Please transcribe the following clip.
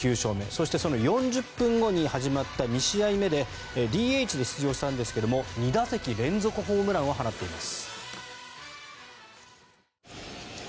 そして、その４０分後に始まった２試合目でＤＨで出場したんですが２打席連続ホームランを放っています。